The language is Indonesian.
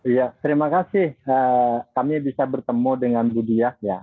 iya terima kasih kami bisa bertemu dengan ibu diah ya